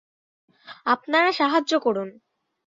আপনারা সাহায্য করুন।